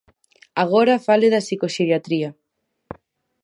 Agora fale da psicoxeriatría.